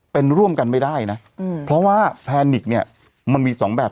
เป็นร่วมกันไม่ได้นะเพราะว่าแพนิกเนี่ยมันมีสองแบบ